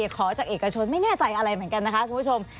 ขอจากเอกชนไม่แน่ใจอะไรเหมือนกันนะคะคุณผู้ชม